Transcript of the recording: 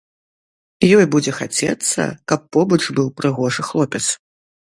Ёй будзе хацецца, каб побач быў прыгожы хлопец.